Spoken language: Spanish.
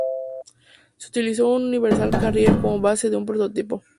Se utilizó un Universal Carrier como base de un prototipo.